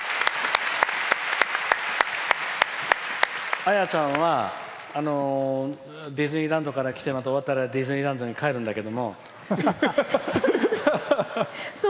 綾ちゃんはディズニーランドから来て終わったらディズニーランドに帰るんだけど。